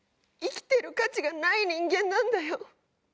生きてる価値がない人間なんだよ。